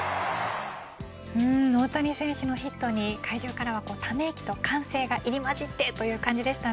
大谷選手のヒットに会場からは、ため息と歓声が入り混じってという感じでした。